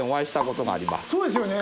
そうですよね。